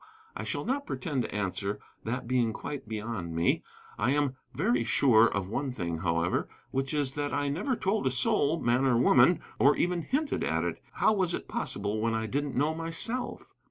I shall not pretend to answer, that being quite beyond me. I am very sure of one thing, however, which is that I never told a soul, man or woman, or even hinted at it. How was it possible when I didn't know myself?